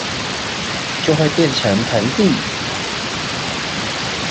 就會變成盆地